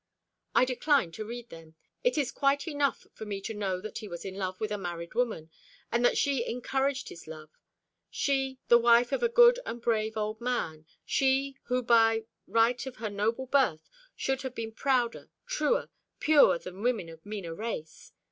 "I decline to read them. It is quite enough for me to know that he was in love with a married woman, and that she encouraged his love she, the wife of a good and brave old man she who, by the right of her noble birth, should have been prouder, truer, purer than women of meaner race.